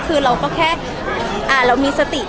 เพราะฉะนั้นเรามีสติ